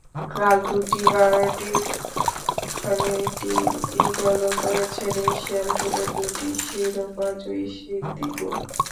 কাল দুটি বার্ডির সঙ্গে একটি ইগলও করেছেন এশিয়ান ট্যুরের দুটি শিরোপাজয়ী সিদ্দিকুর।